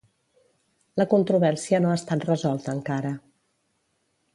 La controvèrsia no ha estat resolta encara.